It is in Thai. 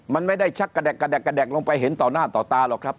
มันไม่ได้ชักกระแดกกระแดกลงไปเห็นต่อหน้าต่อตาหรอกครับ